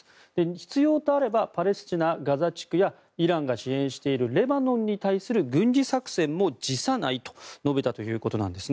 必要とあればパレスチナ、ガザ地区やイランが支援しているレバノンに対する軍事作戦も辞さないと述べたということなんです。